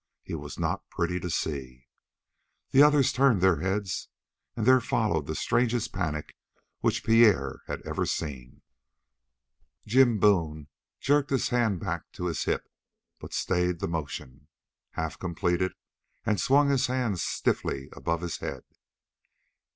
He was not pretty to see. The others turned their heads, and there followed the strangest panic which Pierre had ever seen. Jim Boone jerked his hand back to his hip, but stayed the motion, half completed, and swung his hands stiffly above his head.